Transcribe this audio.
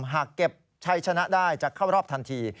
หากเก็บชัยชนะได้จะเข้ารอบทันที